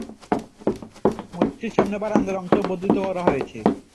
মসজিদটির সামনে বারান্দার অংশ বর্ধিত করা হয়েছে।